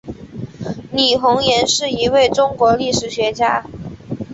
李洪岩是一位中国历史学家。